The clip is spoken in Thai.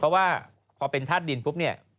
เพราะว่าพอเป็นธาตุดินปุ๊บเนี่ย